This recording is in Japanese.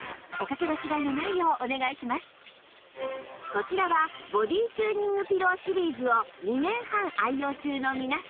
こちらはボディチューニングピローシリーズを２年半愛用中の皆さん